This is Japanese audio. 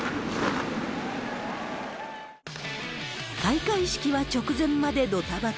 開会式は直前までどたばた。